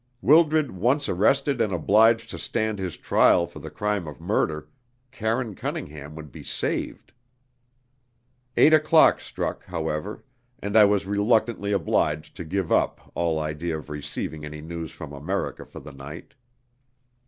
Wildred once arrested and obliged to stand his trial for the crime of murder, Karine Cunningham would be saved. Eight o'clock struck, however, and I was reluctantly obliged to give up all idea of receiving any news from America for the night.